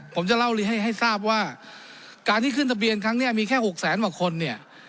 ผมจะเล่าให้ทราบว่าการที่ขึ้นทะเบียนครั้งนี้มีแค่๖แสนกว่าคนเนี่ย